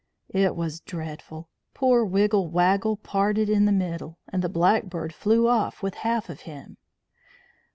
It was dreadful. Poor Wiggle Waggle parted in the middle, and the blackbird flew off with half of him.